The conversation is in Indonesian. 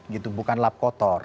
gitu bukan lap kotor